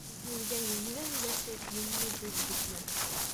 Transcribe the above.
Йүнһеҙгә йүнле өндәшеп, йүнле һүҙ көтмә.